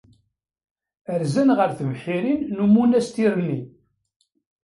Rzan ɣef tebḥirin n umunastir-nni.